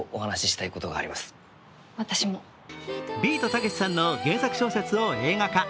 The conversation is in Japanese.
ビートたけしさんの原作小説を映画化。